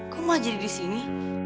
kok mulai jadi di sini